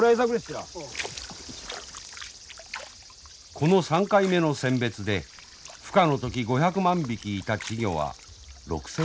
この３回目の選別で孵化の時５００万匹いた稚魚は６，０００匹に絞られます。